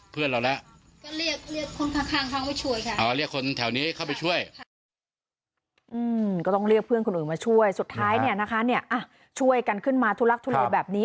เพื่อนคุณอื่นมาช่วยสุดท้ายช่วยกันขึ้นมาทุลักษณ์ทุลัยแบบนี้